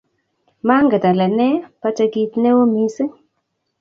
Mangen ale ne, pate kit neo mising